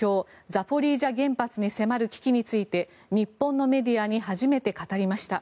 ザポリージャ原発に迫る危機について日本のメディアに初めて語りました。